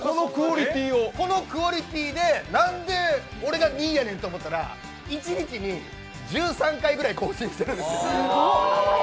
このクオリティーでなんで俺が２位やねんと思ったら、一日に１３回ぐらい更新してるんです。